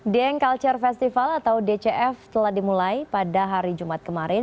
dieng culture festival atau dcf telah dimulai pada hari jumat kemarin